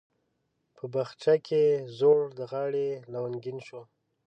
په بخچه کې زوړ د غاړي لونګین شو